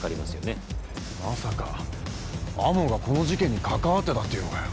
まさか天羽がこの事件に関わってたっていうのかよ？